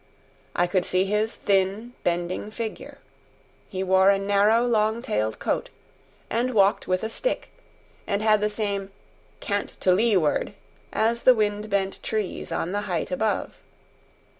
I could see his thin, bending figure. He wore a narrow, long tailed coat and walked with a stick, and had the same "cant to leeward" as the wind bent trees on the height above.